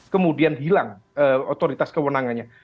kemudian hilang otoritas kewenangannya